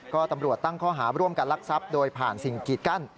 ก็ตำรวจตั้งข้อหาร่วมกันลักทรัพย์โดยผ่านสิ่งกีดกั้น